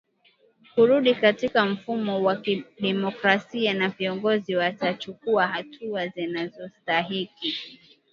kurudi katika mfumo wa kidemokrasia na viongozi watachukua hatua zinazostahiki